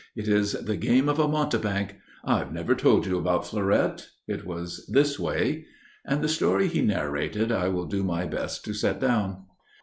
It is the game of a mountebank.... I've never told you about Fleurette. It was this way." And the story he narrated I will do my best to set down.